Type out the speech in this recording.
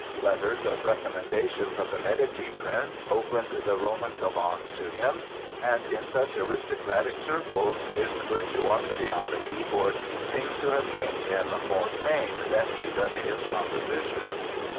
Letters of recommendation from the Medici prince opened the Roman salons to him; and in such aristocratic circles his virtuosity on the keyboard seems to have gained him more fame than even his compositions.